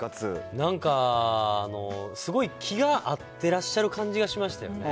なんか、すごい気が合ってらっしゃる感じがしましたよね。